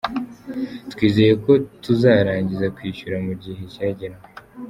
Twizeye ko tuzarangiza kwishyura mu gihe cyagenwe.”